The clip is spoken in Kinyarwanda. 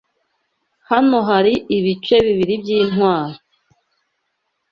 Hano hari ibice bibiri byintwari